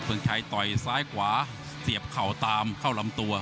งชัยต่อยซ้ายขวาเสียบเข่าตามเข้าลำตัว